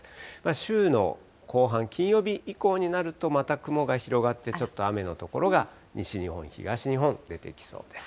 週の後半、金曜日以降になると、また雲が広がって、ちょっと雨の所が西日本、東日本、出てきそうです。